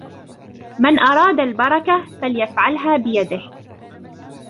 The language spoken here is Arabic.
من اراد البركة فاليفعلها بيده.